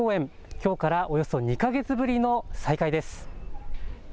きょうからおよそ２か月ぶりの再開です。